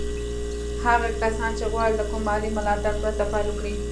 هغه کسان چې غواړي له کوم مالي ملاتړ پرته پيل وکړي.